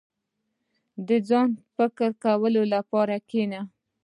• د ځان ته فکر کولو لپاره کښېنه.